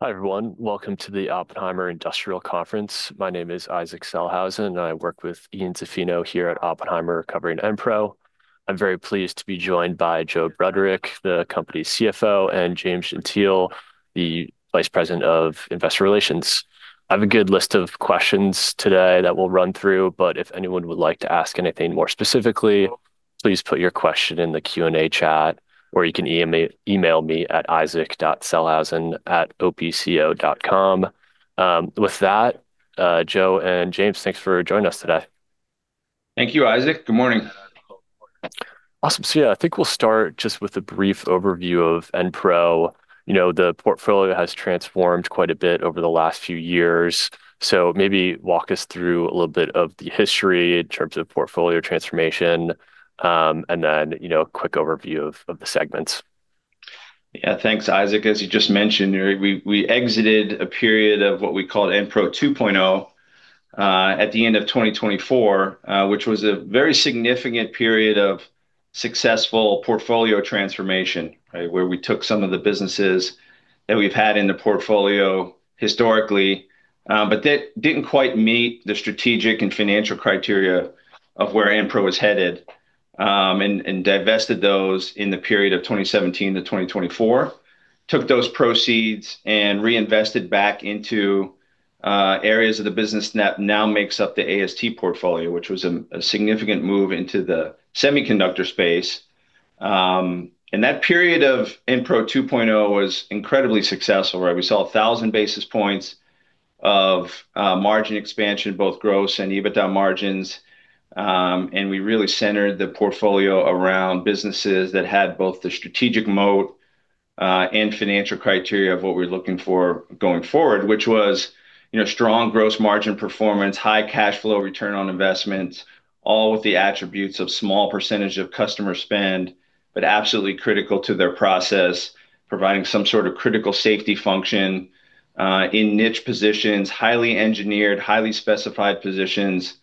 Hi, everyone. Welcome to the Oppenheimer Industrial Conference. My name is Isaac Sellhausen, and I work with Ian Zaffino here at Oppenheimer covering Enpro. I'm very pleased to be joined by Joe Bruderek, the company's CFO, and James Gentile, the Vice President of Investor Relations. I have a good list of questions today that we'll run through, but if anyone would like to ask anything more specifically, please put your question in the Q&A chat, or you can email me at isaac.sellhausen@opco.com. With that, Joe and James, thanks for joining us today Thank you, Isaac. Good morning. Awesome. Yeah, I think we'll start just with a brief overview of Enpro. You know, the portfolio has transformed quite a bit over the last few years, so maybe walk us through a little bit of the history in terms of portfolio transformation, and then, you know, a quick overview of the segments. Yeah. Thanks, Isaac. As you just mentioned, we exited a period of what we called Enpro 2.0 at the end of 2024, which was a very significant period of successful portfolio transformation, right, where we took some of the businesses that we've had in the portfolio historically, but that didn't quite meet the strategic and financial criteria of where Enpro was headed, and divested those in the period of 2017 to 2024, took those proceeds and reinvested back into areas of the business that now makes up the AST portfolio, which was a significant move into the semiconductor space, and that period of Enpro 2.0 was incredibly successful, right? We saw 1,000 basis points of margin expansion, both gross and EBITDA margins. We really centered the portfolio around businesses that had both the strategic moat and financial criteria of what we're looking for going forward, which was, you know, strong gross margin performance, high cash flow return on investments, all with the attributes of small percentage of customer spend, but absolutely critical to their process, providing some sort of critical safety function in niche positions, highly engineered, highly specified positions,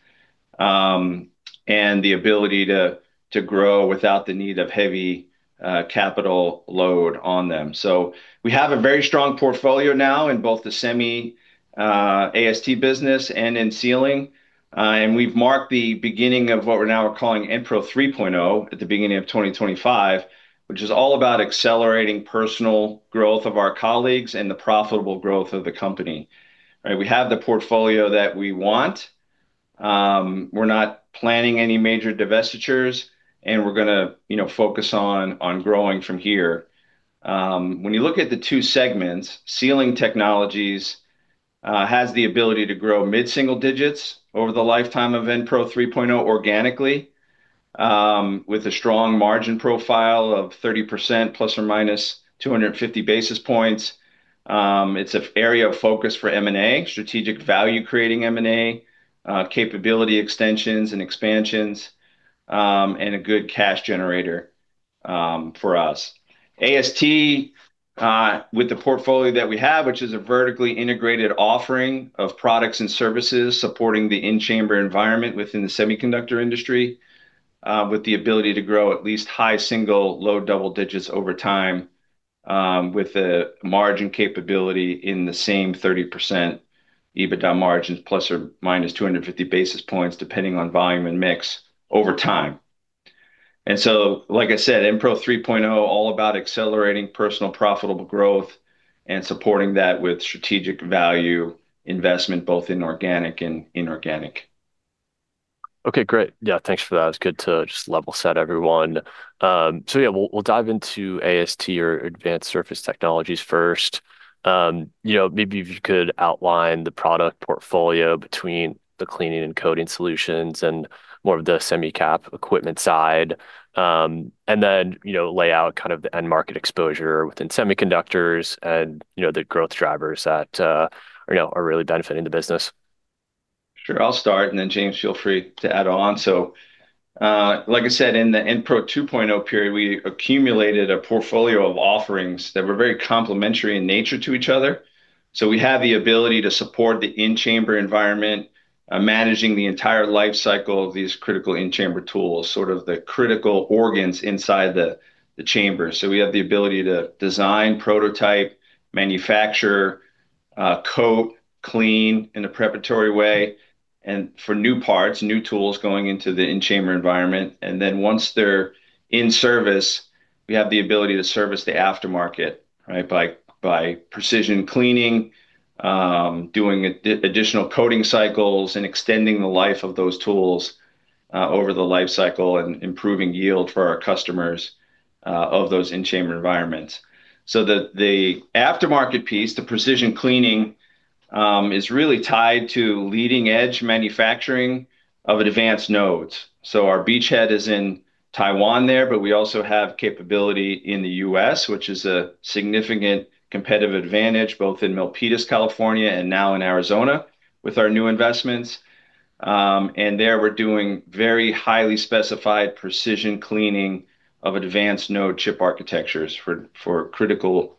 and the ability to grow without the need of heavy capital load on them, so we have a very strong portfolio now in both the semi AST business and in Sealing, and we've marked the beginning of what we're now calling Enpro 3.0 at the beginning of 2025, which is all about accelerating personal growth of our colleagues and the profitable growth of the company. Right? We have the portfolio that we want. We're not planning any major divestitures, and we're gonna, you know, focus on growing from here. When you look at the two segments, Sealing Technologies has the ability to grow mid-single digits over the lifetime of Enpro 3.0 organically, with a strong margin profile of 30% ±250 basis points. It's an area of focus for M&A, strategic value-creating M&A, capability extensions and expansions, and a good cash generator for us. AST, with the portfolio that we have, which is a vertically integrated offering of products and services supporting the in-chamber environment within the semiconductor industry, with the ability to grow at least high single, low double digits over time, with the margin capability in the same 30% EBITDA margins ±250 basis points, depending on volume and mix over time. Like I said, Enpro 3.0, all about accelerating personal profitable growth and supporting that with strategic value investment, both inorganic and inorganic. Okay, great. Thanks for that. It's good to just level set everyone. Today, we'll dive into AST or Advanced Surface Technologies first. You know, maybe if you could outline the product portfolio between the cleaning and coating solutions, and more of the semi-cap equipment side. You know, lay out kind of the end market exposure within semiconductors and, you know, the growth drivers that, you know, are really benefiting the business. Sure. I'll start, and then James, feel free to add on. Like I said, in the Enpro 2.0 period, we accumulated a portfolio of offerings that were very complementary in nature to each other. We have the ability to support the in-chamber environment, managing the entire life cycle of these critical in-chamber tools, sort of the critical organs inside the chamber. We have the ability to design, prototype, manufacture, coat, clean in a preparatory way and for new parts, new tools going into the in-chamber environment, and once they're in service, we have the ability to service the aftermarket, right? By precision cleaning, doing additional coating cycles, and extending the life of those tools over the life cycle, and improving yield for our customers of those in-chamber environments. The, the aftermarket piece, the precision cleaning, is really tied to leading-edge manufacturing of advanced nodes. So our beachhead is in Taiwan there, but we also have capability in the U.S., which is a significant competitive advantage both in Milpitas, California, and now in Arizona with our new investments. And there we're doing very highly specified precision cleaning of advanced node chip architectures for critical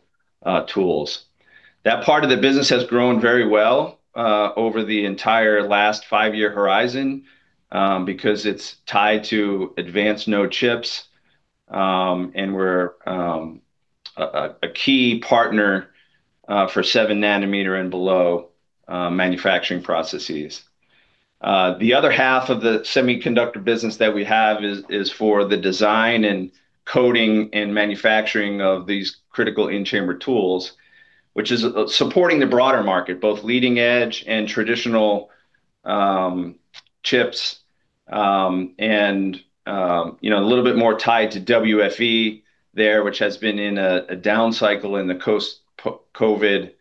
tools. That part of the business has grown very well over the entire last five-year horizon because it's tied to advanced node chips, and we're a key partner for 7 nm and below manufacturing processes. The other half of the semiconductor business that we have is for the design, coding, and manufacturing of these critical in-chamber tools, which is supporting the broader market, both leading-edge and traditional chips. You know, a little bit more tied to WFE there, which has been in a down cycle in the post-COVID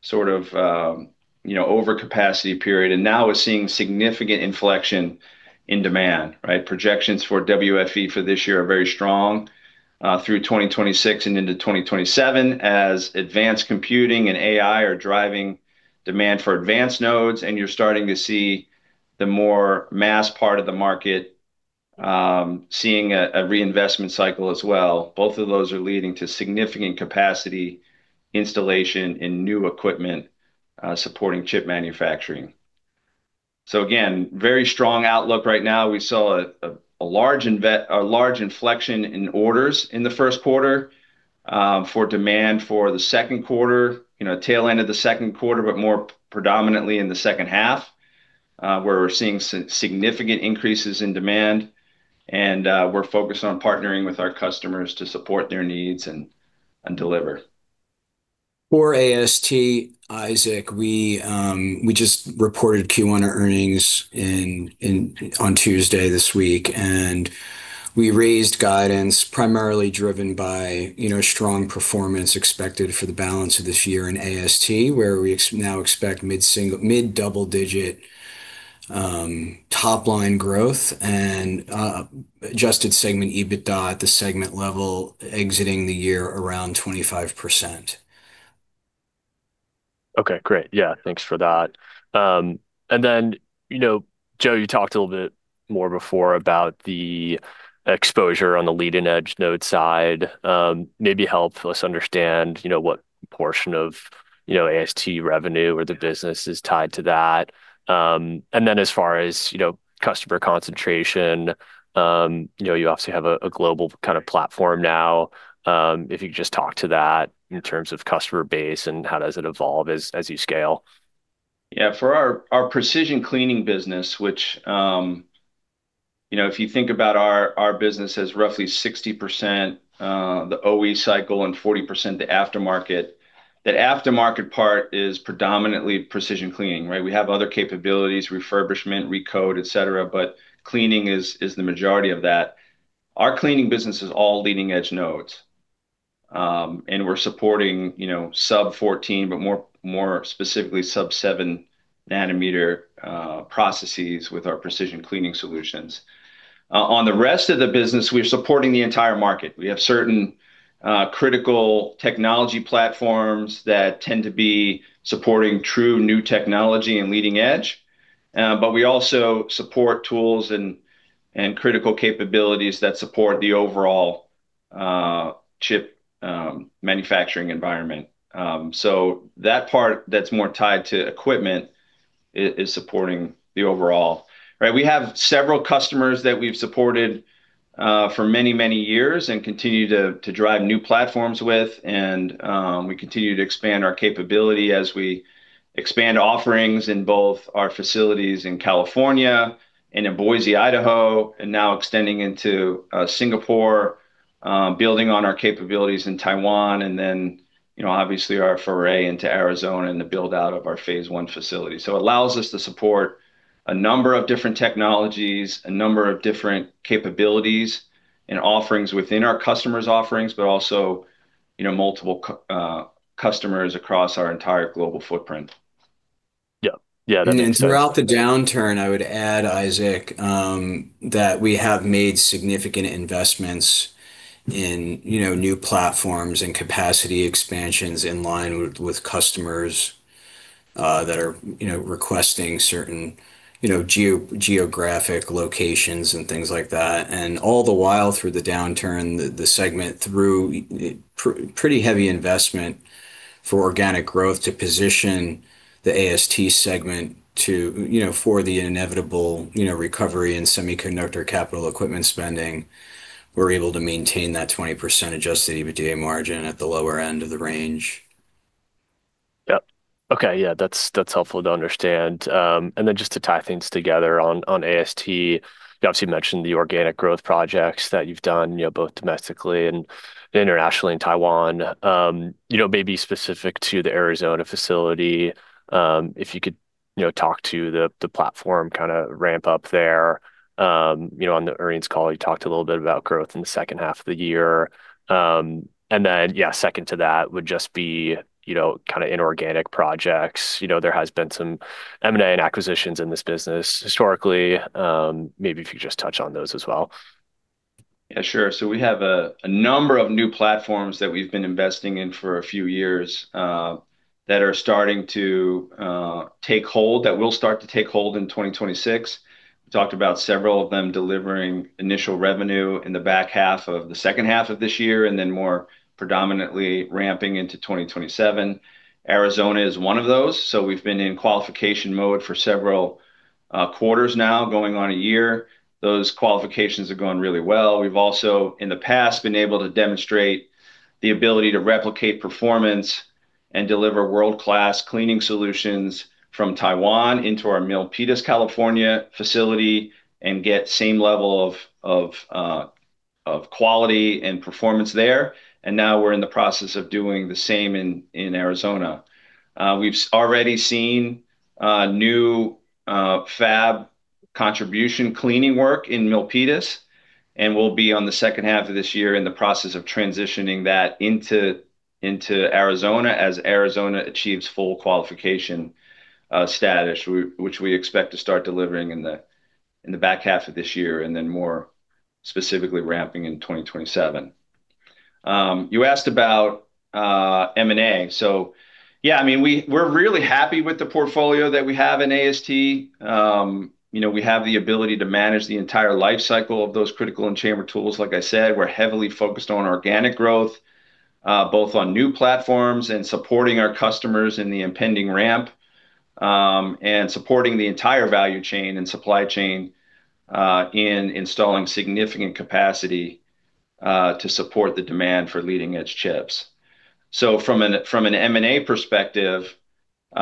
sort of, you know, over capacity period, and now is seeing significant inflection in demand, right? Projections for WFE for this year are very strong through 2026 and into 2027 as advanced computing and AI are driving demand for advanced nodes, and you're starting to see the more mass part of the market seeing a reinvestment cycle as well. Both of those are leading to significant capacity installation and new equipment supporting chip manufacturing. Again, very strong outlook right now. We saw a large inflection in orders in the Q1 for demand for the Q2, you know, tail end of the Q2, but more predominantly in the H2, where we're seeing significant increases in demand and we're focused on partnering with our customers to support their needs and deliver. For AST, Isaac, we just reported Q1 earnings in on Tuesday this week, and we raised guidance primarily driven by, you know, strong performance expected for the balance of this year in AST, where we now expect mid-double digit top-line growth and adjusted segment EBITDA at the segment level exiting the year around 25%. Okay, great. Yeah. Thanks for that. You know, Joe, you talked a little bit more before about the exposure on the leading edge node side. Maybe help us understand, you know, what portion of, you know, AST revenue or the business is tied to that. As far as, you know, customer concentration, you know, you obviously have a global kind of platform now. If you could just talk to that in terms of customer base and how does it evolve as you scale. Yeah. For our precision cleaning business, which, you know, if you think about our business as roughly 60% the OE cycle and 40% the aftermarket, that aftermarket part is predominantly precision cleaning, right? We have other capabilities, refurbishment, recoat, et cetera, but cleaning is the majority of that. Our cleaning business is all leading edge nodes, and we're supporting, you know, sub-14, but more specifically sub-7 nm processes with our precision cleaning solutions. On the rest of the business, we're supporting the entire market. We have certain critical technology platforms that tend to be supporting true new technology and leading-edge, but we also support tools and critical capabilities that support the overall chip manufacturing environment. That part that's more tied to equipment is supporting the overall, right? We have several customers that we've supported for many, many years and continue to drive new platforms with, and we continue to expand our capability as we expand offerings in both our facilities in California and in Boise, Idaho, and now extending into Singapore, building on our capabilities in Taiwan and then, you know, obviously our foray into Arizona and the build-out of our phase I facility, so allows us to support a number of different technologies, a number of different capabilities and offerings within our customers' offerings, but also, you know, multiple customers across our entire global footprint. Yeah. Yeah, that makes sense. Throughout the downturn, I would add, Isaac, that we have made significant investments in, you know, new platforms and capacity expansions in line with customers, that are, you know, requesting certain, you know, geographic locations and things like that, and all the while through the downturn, the segment through pretty heavy investment for organic growth to position the AST segment to, you know, for the inevitable, you know, recovery in semiconductor capital equipment spending, we're able to maintain that 20% adjusted EBITDA margin at the lower end of the range. Yep. Okay, yeah. That's helpful to understand. Then, just to tie things together on AST, you obviously mentioned the organic growth projects that you've done, you know, both domestically and internationally in Taiwan. You know, maybe specific to the Arizona facility, if you could, you know, talk to the platform kind of ramp up there. You know, on the earnings call, you talked a little bit about growth in the H2 of the year, and then, yeah, second to that would just be, you know, kind of inorganic projects. You know, there has been some M&A and acquisitions in this business historically. Maybe if you could just touch on those as well. Yeah, sure. We have a number of new platforms that we've been investing in for a few years, that are starting to take hold, that will start to take hold in 2026. We talked about several of them delivering initial revenue in the back half of the H2 of this year, and then more predominantly ramping into 2027. Arizona is one of those, so we've been in qualification mode for several quarters now, going on a year. Those qualifications are going really well. We've also, in the past, been able to demonstrate the ability to replicate performance and deliver world-class cleaning solutions from Taiwan into our Milpitas, California facility and get same level of quality and performance there, and now we're in the process of doing the same in Arizona. We've already seen new fab contribution cleaning work in Milpitas, and we'll be, on the H2 of this year, in the process of transitioning that into Arizona as Arizona achieves full qualification status, which we expect to start delivering in the back half of this year, and then more specifically ramping in 2027. You asked about M&A. Yeah, I mean, we're really happy with the portfolio that we have in AST. You know, we have the ability to manage the entire life cycle of those critical and chamber tools. Like I said, we're heavily focused on organic growth, both on new platforms and supporting our customers in the impending ramp, and supporting the entire value chain and supply chain, in installing significant capacity, to support the demand for leading-edge chips. From an M&A perspective, you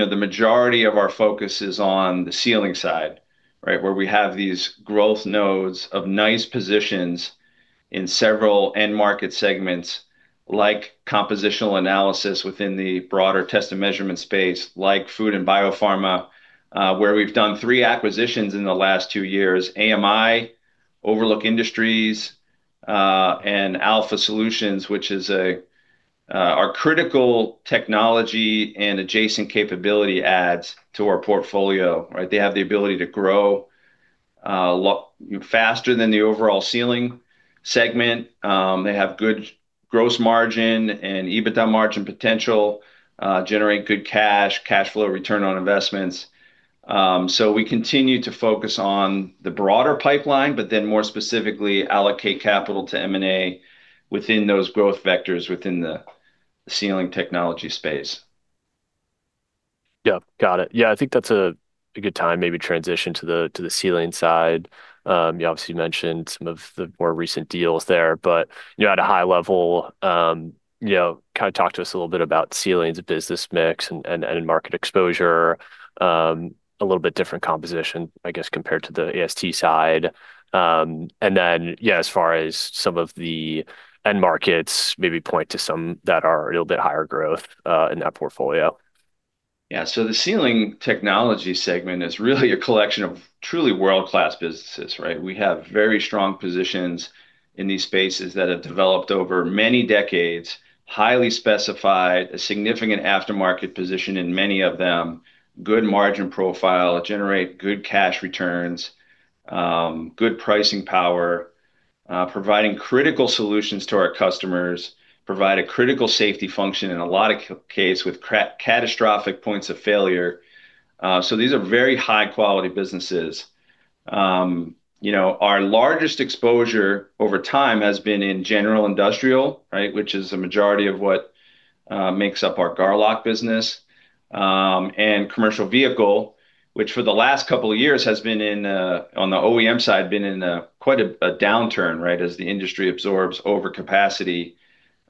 know, the majority of our focus is on the Sealing side, right? Where we have these growth nodes of nice positions in several end market segments, like compositional analysis within the broader test and measurement space, like food and biopharma, where we've done three acquisitions in the last two years, AMI, Overlook Industries, and AlpHa measurement Solutions, which is our critical technology and adjacent capability adds to our portfolio, right? They have the ability to grow faster than the overall Sealing segment. They have good gross margin and EBITDA margin potential, generate good cash flow return on investments, so we continue to focus on the broader pipeline, more specifically allocate capital to M&A within those growth vectors within the sealing technology space. Yeah. Got it. Yeah. I think that's a good time maybe transition to the Sealing side. You obviously mentioned some of the more recent deals there, but, you know, at a high level, you know, kind of talk to us a little bit about Sealing's business mix and market exposure. A little bit different composition, I guess, compared to the AST side. Then, yeah, as far as some of the end markets, maybe point to some that are a little bit higher growth in that portfolio. Yeah. The Sealing Technologies segment is really a collection of truly world-class businesses, right? We have very strong positions in these spaces that have developed over many decades, highly specified, a significant aftermarket position in many of them, good margin profile, generate good cash returns, good pricing power, providing critical solutions to our customers, provide a critical safety function in a lot of case with catastrophic points of failure, so these are very high quality businesses. You know, our largest exposure over time has been in general industrial, right, which is the majority of what makes up our Garlock business, and commercial vehicle, which for the last couple of years has been on the OEM side, been in quite a downturn, right, as the industry absorbs overcapacity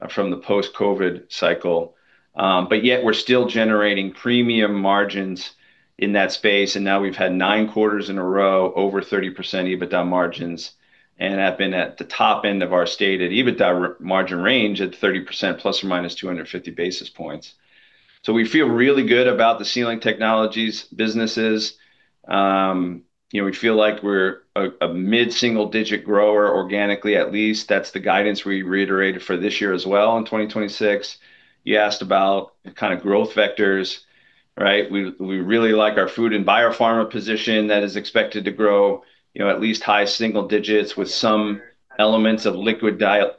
from the post-COVID cycle. Yet we're still generating premium margins in that space, and now we've had nine quarters in a row over 30% EBITDA margins, and have been at the top end of our stated EBITDA margin range at 30% ,±250 basis points. We feel really good about the Sealing Technologies businesses. You know, we feel like we're a mid-single-digit grower organically, at least. That's the guidance we reiterated for this year as well in 2026. You asked about the kind of growth vectors, right? We really like our food and biopharma position that is expected to grow, you know, at least high-single-digits with some elements of liquid dose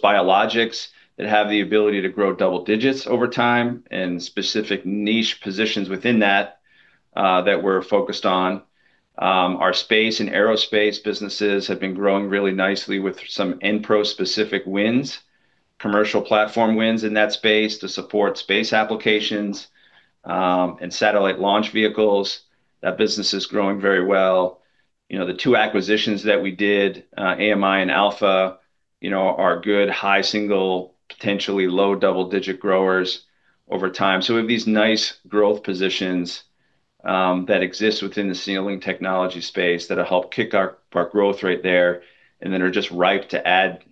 biologics that have the ability to grow double-digits over time and specific niche positions within that we're focused on. Our space and aerospace businesses have been growing really nicely with some Enpro specific wins, commercial platform wins in that space to support space applications, and satellite launch vehicles. That business is growing very well. You know, the two acquisitions that we did, AMI and AlpHa, you know, are good high single, potentially low double-digit growers over time, so we have these nice growth positions that exist within the Sealing Technologies space that'll help kick our growth right there, and then are just ripe to add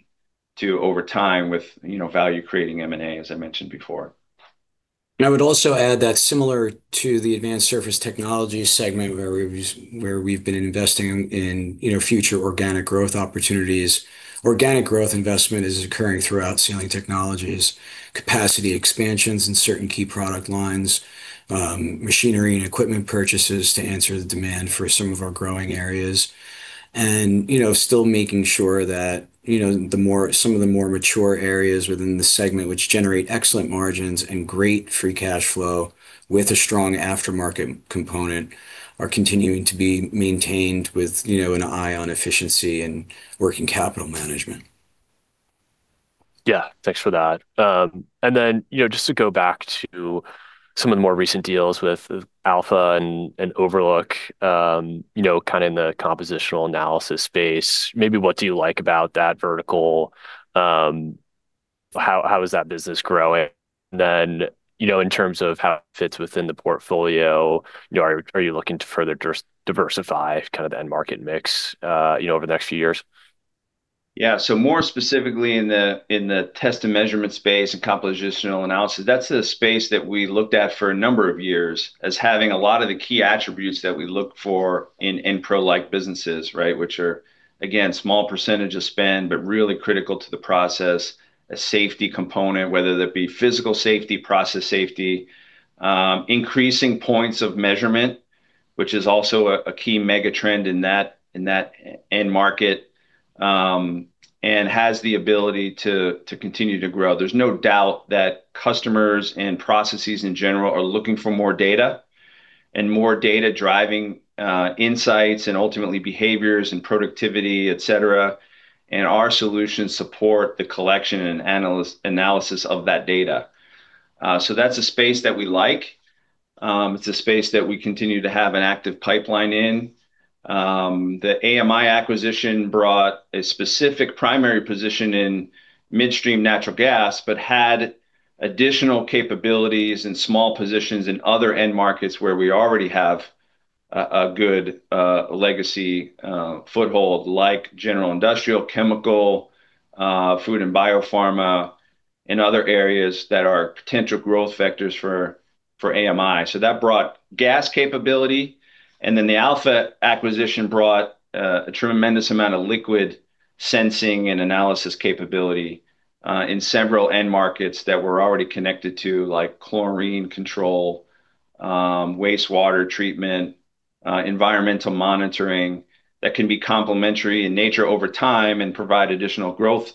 to over time with, you know, value creating M&A, as I mentioned before. I would also add that, similar to the Advanced Surface Technologies segment where we've been investing in, you know, future organic growth opportunities, organic growth investment is occurring throughout Sealing Technologies, capacity expansions in certain key product lines, machinery and equipment purchases to answer the demand for some of our growing areas, and you know, still making sure that, you know, some of the more mature areas within the segment, which generate excellent margins and great free cash flow with a strong aftermarket component, are continuing to be maintained with, you know, an eye on efficiency and working capital management. Yeah. Thanks for that. Then, you know, just to go back to some of the more recent deals with AlpHa and Overlook, you know, kind of in the compositional analysis space, maybe what do you like about that vertical? How is that business growing? Then, you know, in terms of how it fits within the portfolio, you know, are you looking to further diversify kind of the end market mix, you know, over the next few years? Yeah. More specifically, in the test and measurement space and compositional analysis, that's a space that we looked at for a number of years as having a lot of the key attributes that we look for in Enpro-like businesses, right, which are, again, small percentage of spend, but really critical to the process, a safety component, whether that be physical safety, process safety, increasing points of measurement, which is also a key mega trend in that end market, and has the ability to continue to grow. There's no doubt that customers and processes in general are looking for more data and more data driving insights and ultimately behaviors and productivity, et cetera, and our solutions support the collection and analysis of that data. That's a space that we like. It's a space that we continue to have an active pipeline in. The AMI acquisition brought a specific primary position in midstream natural gas, but had additional capabilities and small positions in other end markets where we already have a good legacy foothold, like general industrial, chemical, food, and biopharma, and other areas that are potential growth vectors for AMI. That brought gas capability, and then the AlpHa acquisition brought a tremendous amount of liquid sensing and analysis capability in several end markets that we're already connected to, like chlorine control, wastewater treatment, environmental monitoring, that can be complementary in nature over time and provide additional growth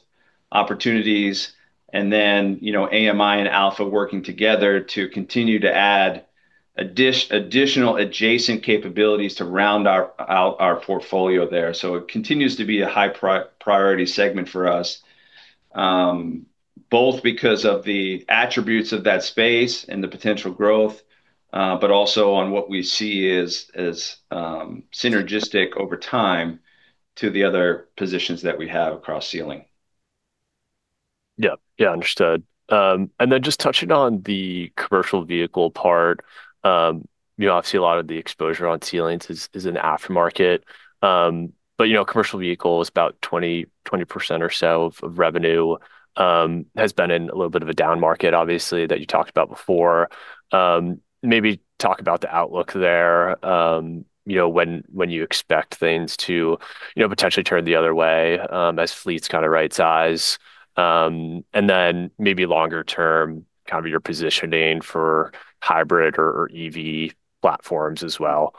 opportunities, and then you know, AMI and AlpHa working together to continue to add additional adjacent capabilities to round out our portfolio there. It continues to be a high priority segment for us, both because of the attributes of that space and the potential growth, but also on what we see as synergistic over time to the other positions that we have across sealing. Yeah. Yeah, understood. Then, just touching on the commercial vehicle part, obviously, a lot of the exposure on Sealing Technologies is in aftermarket, but your commercial vehicle is about 20% or so of revenue, has been in a little bit of a down market, obviously, that you talked about before. Maybe talk about the outlook there, when you expect things to potentially turn the other way, as fleets kind of right size. Then maybe longer term, kind of your positioning for hybrid or EV platforms as well.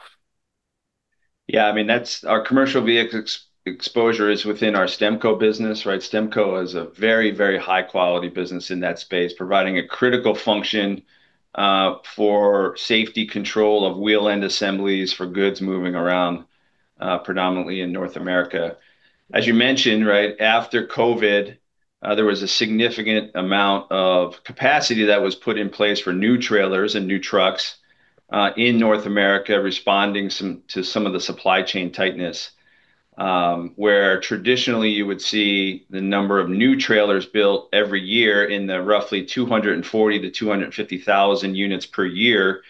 Yeah, I mean, our commercial vehicle exposure is within our STEMCO business, right? STEMCO is a very, very high-quality business in that space, providing a critical function for safety control of wheel end assemblies for goods moving around predominantly in North America. As you mentioned, right, after COVID, there was a significant amount of capacity that was put in place for new trailers and new trucks in North America, responding to some of the supply chain tightness, where traditionally you would see the number of new trailers built every year in the roughly 240,000-250,000 units per year,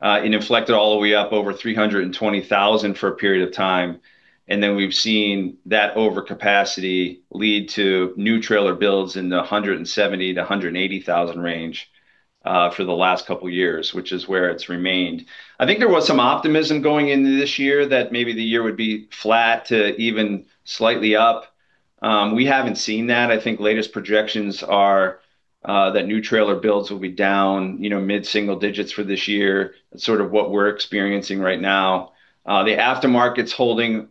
it inflected all the way up over 320,000 for a period of time. We've seen that overcapacity lead to new trailer builds in the 170,000-180,000 range for the last couple of years, which is where it's remained. I think there was some optimism going into this year that maybe the year would be flat to even slightly up. We haven't seen that. I think latest projections are that new trailer builds will be down, you know, mid-single-digits for this year. It's sort of what we're experiencing right now. The aftermarket's holding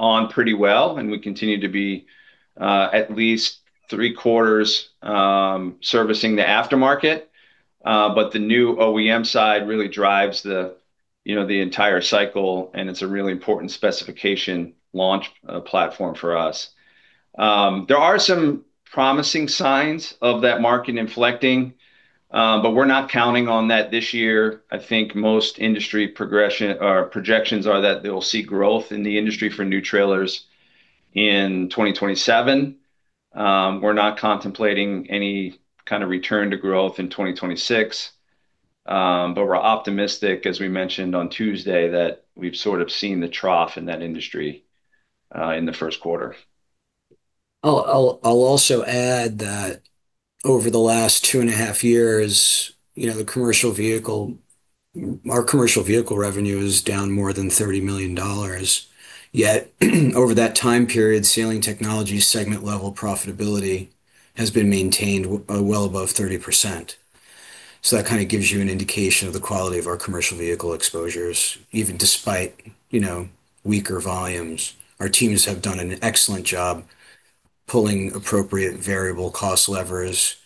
on pretty well, and we continue to be at least 3/4 servicing the aftermarket, but the new OEM side really drives the, you know, the entire cycle, and it's a really important specification launch platform for us. There are some promising signs of that market inflecting, but we're not counting on that this year. I think most industry progression or projections are that they'll see growth in the industry for new trailers in 2027. We're not contemplating any kind of return to growth in 2026, but we're optimistic, as we mentioned on Tuesday, that we've sort of seen the trough in that industry in the Q1. I'll also add that over the last two and a half years, you know, our commercial vehicle revenue is down more than $30 million, yet over that time period, Sealing Technologies segment level profitability has been maintained well above 30%, so that kind of gives you an indication of the quality of our commercial vehicle exposures, even despite, you know, weaker volumes. Our teams have done an excellent job pulling appropriate variable cost levers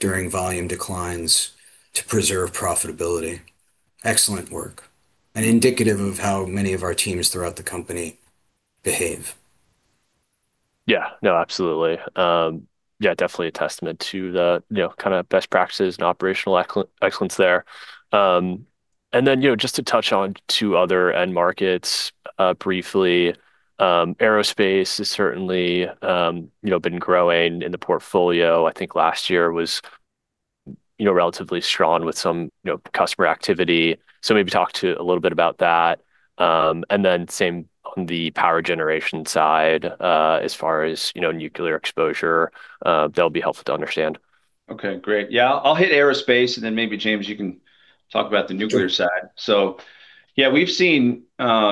during volume declines to preserve profitability. Excellent work, and indicative of how many of our teams throughout the company behave. Yeah. No, absolutely. Yeah, definitely a testament to the, you know, kinda best practices and operational excellence there. You know, just to touch on two other end markets, briefly. Aerospace has certainly, you know, been growing in the portfolio. I think last year was, you know, relatively strong with some, you know, customer activity. Maybe talk to a little bit about that, and then same on the power generation side, as far as, you know, nuclear exposure. That'll be helpful to understand. Okay, great. Yeah. I'll hit aerospace and then maybe James, you can talk about the nuclear side. We've seen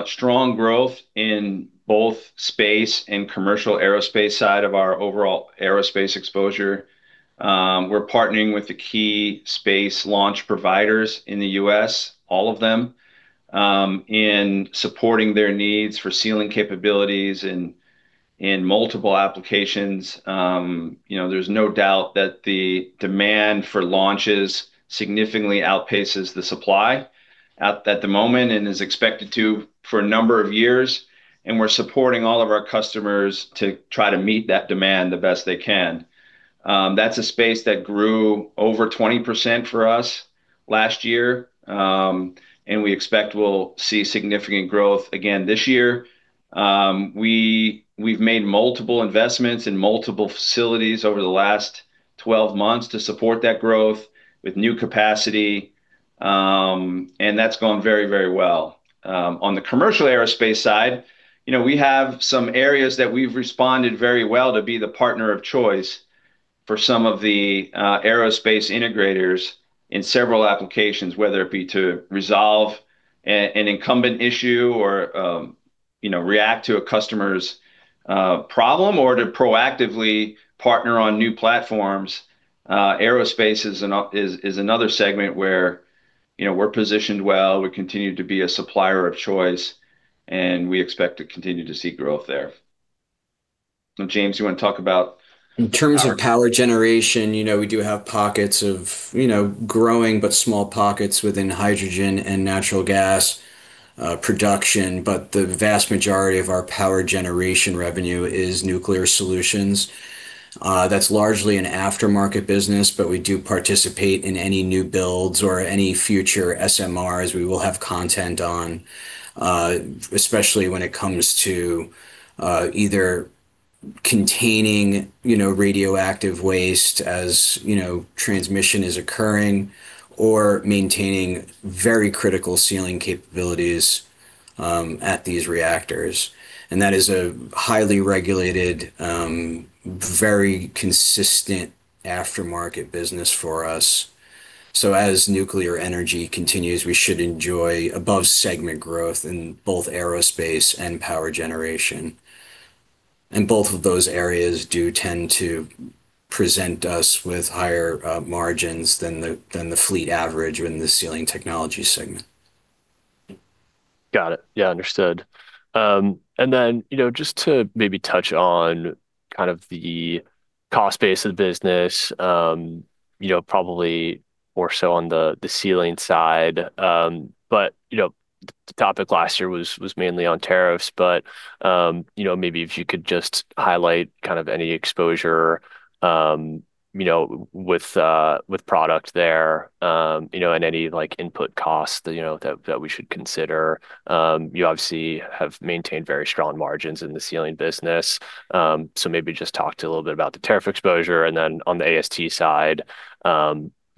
strong growth in both space and commercial aerospace side of our overall aerospace exposure. We're partnering with the key space launch providers in the U.S., all of them, in supporting their needs for sealing capabilities in multiple applications. You know, there's no doubt that the demand for launches significantly outpaces the supply at the moment, and is expected to for a number of years, and we're supporting all of our customers to try to meet that demand the best they can. That's a space that grew over 20% for us last year, and we expect we'll see significant growth again this year. We've made multiple investments in multiple facilities over the last 12 months to support that growth with new capacity, and that's gone very, very well. On the commercial aerospace side, you know, we have some areas that we've responded very well to be the partner of choice for some of the aerospace integrators in several applications, whether it be to resolve an incumbent issue or, you know, react to a customer's problem, or to proactively partner on new platforms. Aerospace is another segment where, you know, we're positioned well, we continue to be a supplier of choice, and we expect to continue to see growth there. James, you wanna talk about power? In terms of power generation, you know, we do have pockets of, you know, growing but small pockets within hydrogen and natural gas production, but the vast majority of our power generation revenue is nuclear solutions. That's largely an aftermarket business, but we do participate in any new builds or any future SMRs we will have content on, especially when it comes to either containing, you know, radioactive waste as, you know, transmission is occurring, or maintaining very critical sealing capabilities at these reactors, and that is a highly regulated, very consistent aftermarket business for us, so as nuclear energy continues, we should enjoy above segment growth in both aerospace and power generation, and both of those areas do tend to present us with higher margins than the fleet average in the Sealing Technologies segment. Got it. Yeah, understood. Then, you know, just to maybe touch on kind of the cost base of the business, you know, probably more so on the Sealing Technologies side. You know, the topic last year was mainly on tariffs. You know, maybe if you could just highlight kind of any exposure, you know, with product there, you know, and any, like, input costs that, you know, that we should consider. You obviously have maintained very strong margins in the Sealing Technologies business, so maybe just talk to a little bit about the tariff exposure, and then on the AST side, you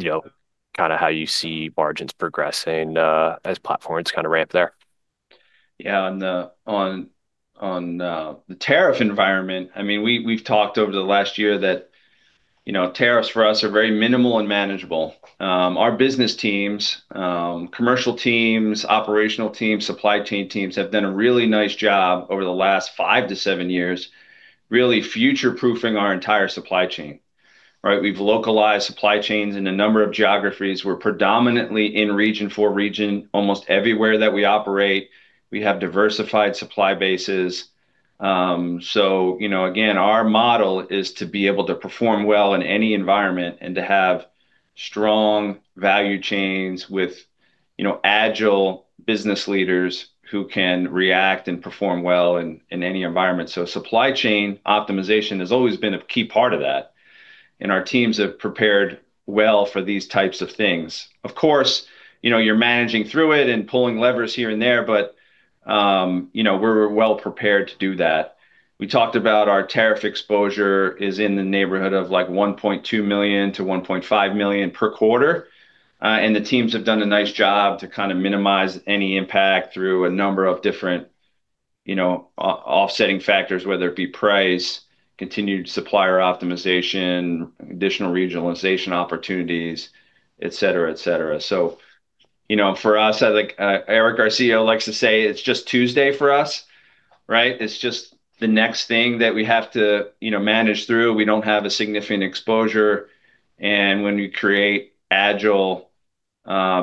know, kind of how you see margins progressing as platforms kind of ramp there. Yeah. On the tariff environment, I mean, we've talked over the last year that, you know, tariffs for us are very minimal and manageable. Our business teams, commercial teams, operational teams, supply chain teams have done a really nice job over the last five to seven years, really future-proofing our entire supply chain, right? We've localized supply chains in a number of geographies. We're predominantly in region for region almost everywhere that we operate. We have diversified supply bases. You know, again, our model is to be able to perform well in any environment and to have strong value chains with, you know, agile business leaders who can react and perform well in any environment, so supply chain optimization has always been a key part of that, and our teams have prepared well for these types of things. Of course, you know, you're managing through it and pulling levers here and there, but you know, we're well prepared to do that. We talked about our tariff exposure is in the neighborhood of, like, $1.2 million-$1.5 million per quarter, and the teams have done a nice job to kind of minimize any impact through a number of different, you know, offsetting factors, whether it be price, continued supplier optimization, additional regionalization opportunities, et cetera, et cetera. You know, for us, like, Eric, our CEO, likes to say, "It's just Tuesday for us," right? It's just the next thing that we have to, you know, manage through. We don't have a significant exposure, and when you create agile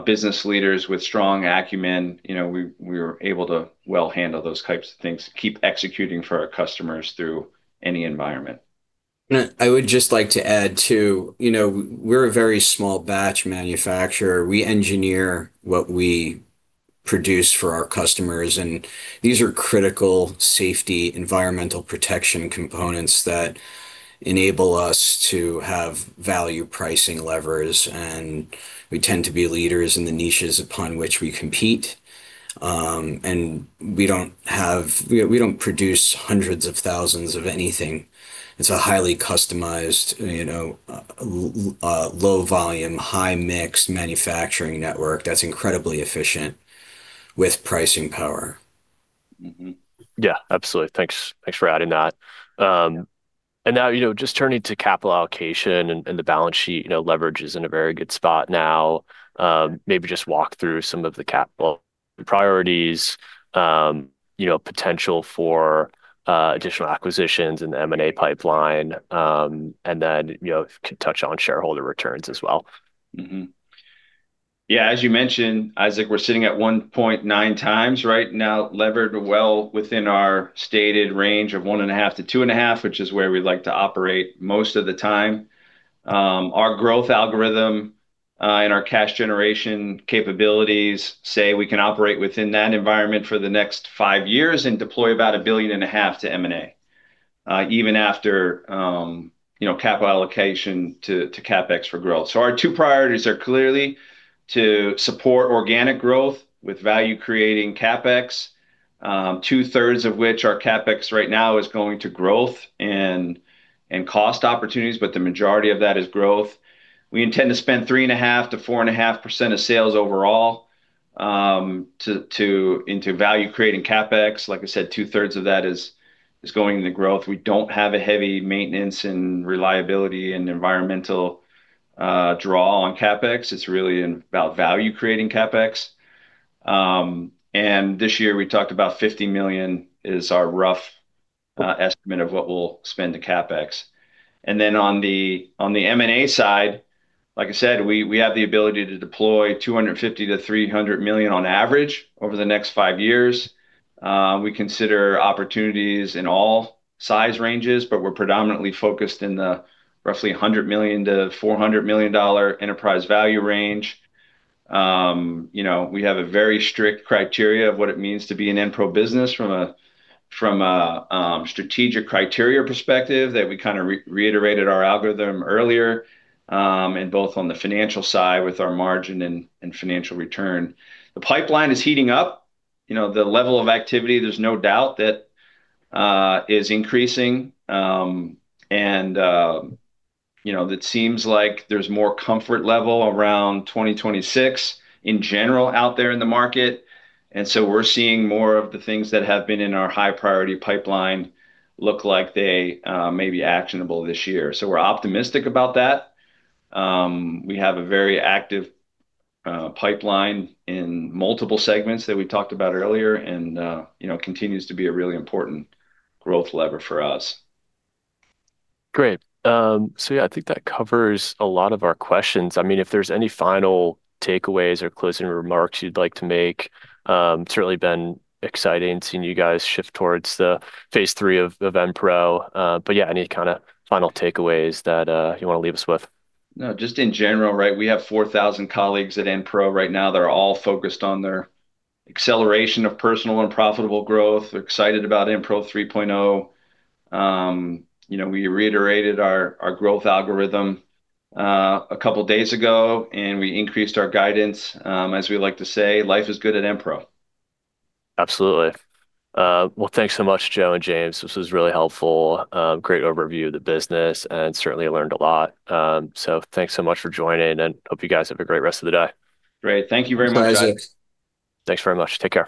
business leaders with strong acumen, you know, we are able to well handle those types of things, keep executing for our customers through any environment. I would just like to add, too, you know, we're a very small batch manufacturer. We engineer what we produce for our customers, and these are critical safety environmental protection components that enable us to have value pricing levers, and we tend to be leaders in the niches upon which we compete, and we don't produce hundreds of thousands of anything. It's a highly customized, you know, low volume, high-mix manufacturing network that's incredibly efficient with pricing power. Yeah, absolutely. Thanks for adding that. Now, you know, just turning to capital allocation and the balance sheet, you know, leverage is in a very good spot now. Maybe just walk through some of the capital priorities, you know, potential for additional acquisitions in the M&A pipeline, and then, you know, could touch on shareholder returns as well. Yeah, as you mentioned, Isaac, we're sitting at 1.9x right now, levered well within our stated range of 1.5 to 2.5, which is where we like to operate most of the time. Our growth algorithm and our cash generation capabilities say we can operate within that environment for the next five years and deploy about $1.5 billion to M&A, even after, you know, capital allocation to CapEx for growth. Our two priorities are clearly to support organic growth with value-creating CapEx, two-thirds of which our CapEx right now is going to growth and cost opportunities, but the majority of that is growth. We intend to spend 3.5% to 4.5% of sales overall to into value-creating CapEx. Like I said, two-thirds of that is going into growth. We don't have a heavy maintenance, reliability, and environmental draw on CapEx. It's really about value creating CapEx. This year we talked about $50 million is our rough estimate of what we'll spend to CapEx. Then on the M&A side, like I said, we have the ability to deploy $250 million-$300 million on average over the next five years. We consider opportunities in all size ranges, but we're predominantly focused in the roughly $100 million-$400 million enterprise value range. You know, we have a very strict criteria of what it means to be an Enpro business from a strategic criteria perspective that we kind of reiterated our algorithm earlier, and both on the financial side with our margin and financial return. The pipeline is heating up. You know, the level of activity, there's no doubt that is increasing, and, you know, that seems like there's more comfort level around 2026 in general out there in the market, and so we're seeing more of the things that have been in our high priority pipeline look like they may be actionable this year, so we're optimistic about that. We have a very active pipeline in multiple segments that we talked about earlier, and, you know, continues to be a really important growth lever for us. Great. Yeah, I think that covers a lot of our questions. I mean, if there's any final takeaways or closing remarks you'd like to make, certainly been exciting seeing you guys shift towards the phase III of Enpro. Yeah, any kinda final takeaways that you wanna leave us with? Just in general, right? We have 4,000 colleagues at Enpro right now. They're all focused on their acceleration of personal and profitable growth. They're excited about Enpro 3.0. You know, we reiterated our growth algorithm a couple of days ago, and we increased our guidance. As we like to say, "Life is good at Enpro. Absolutely. Well, thanks so much, Joe and James. This was really helpful. Great overview of the business, certainly learned a lot. Thanks so much for joining, hope you guys have a great rest of the day. Great. Thank you very much, guys. Thanks, Isaac. Thanks very much. Take care.